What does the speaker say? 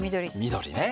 緑ね。